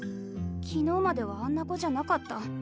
昨日まではあんな子じゃなかった。